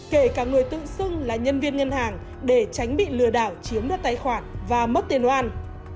kể cả người tự xưng là nhân viên ngân hàng để tránh bị lừa đảo chiếm đất tài khoản và mất tiền oan